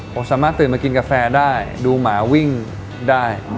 ผมสามารถตื่นมากินกาแฟได้ดูหมาวิ่งได้